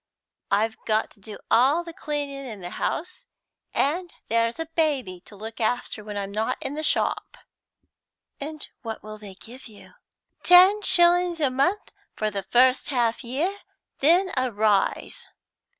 I've to do all the cleaning in the house, and there's a baby to look after when I'm not in the shop." "And what will they give you?" "Ten shillings a month for the first half year; then a rise."